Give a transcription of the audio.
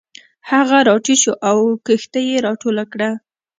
هغه راټیټ شو او کښتۍ یې راټوله کړه.